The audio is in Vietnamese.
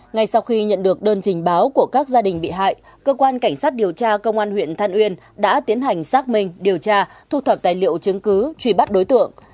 ngay sau khi nhận được đơn trình báo của các gia đình bị hại cơ quan cảnh sát điều tra công an huyện than uyên đã tiến hành xác minh điều tra thu thập tài liệu chứng cứ truy bắt đối tượng